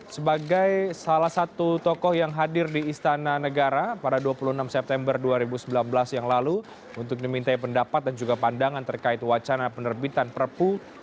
sebagai salah satu tokoh yang hadir di istana negara pada dua puluh enam september dua ribu sembilan belas yang lalu untuk dimintai pendapat dan juga pandangan terkait wacana penerbitan perpu